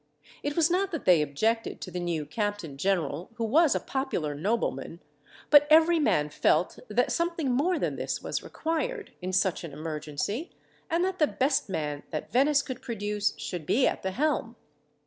It was not that they objected to the new captain general, who was a popular nobleman, but every man felt that something more than this was required, in such an emergency, and that the best man that Venice could produce should be at the helm.